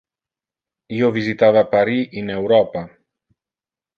Io visitava Paris in Europa.